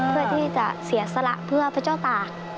เพื่อที่จะเสียสละเพื่อพระเจ้าตา